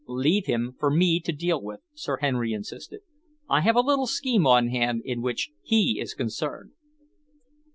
"Leave him for me to deal with," Sir Henry insisted. "I have a little scheme on hand in which he is concerned."